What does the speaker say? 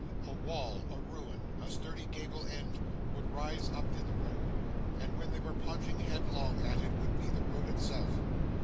A wall, a ruin, a sturdy gable end, would rise up in the road; and, when they were plunging headlong at it, would be the road itself.